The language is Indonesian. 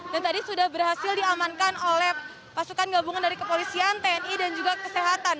dan tadi sudah berhasil diamankan oleh pasukan gabungan dari kepolisian tni dan juga kesehatan